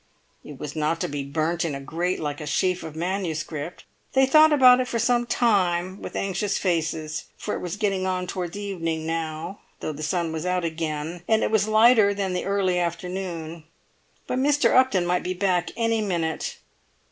It was not to be burnt in a grate like a sheaf of MS. They thought about it for some time with anxious faces; for it was getting on towards evening now, though the sun was out again, and it was lighter than the early afternoon; but Mr. Upton might be back any minute.